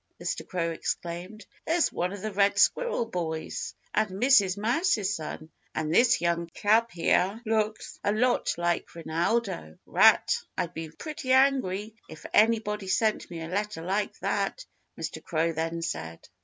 Mr. Crow exclaimed. "There's one of the Red Squirrel boys and Mrs. Mouse's son. And this young chap here looks a lot like Rinaldo Rat. ... I'd be pretty angry if anybody sent me a letter like that," Mr. Crow then said.